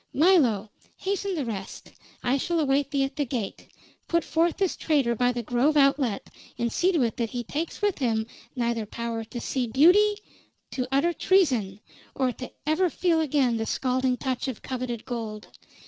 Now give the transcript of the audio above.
"Milo, hasten the rest. I shall await thee at the gate. Put forth this traitor by the Grove outlet, and see to it that he takes with him neither power to see beauty, to utter treason, or to ever feel again the scalding touch of coveted gold.